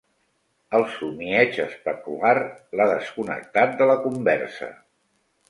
El somieig especular l'ha desconnectat de la conversa.